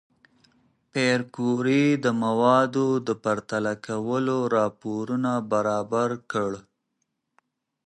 پېیر کوري د موادو د پرتله کولو راپور نه برابر کړ؟